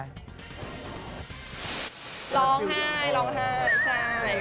ร้องไห้ร้องไห้ใช่